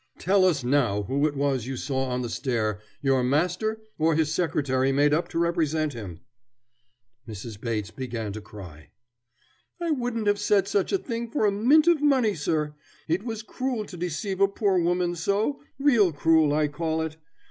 Tell us now who it was you saw on the stair, your master, or his secretary made up to represent him?" Mrs. Bates began to cry. "I wouldn't have said such a thing for a mint of money, sir. It was cruel to deceive a poor woman so, real cruel I call it.